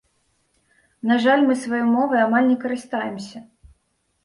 На жаль, мы сваёй мовай амаль не карыстаемся.